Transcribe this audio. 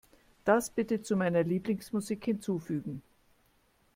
Das bitte zu meiner Lieblingsmusik hinzufügen.